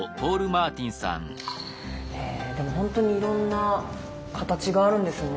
えでも本当にいろんな形があるんですね。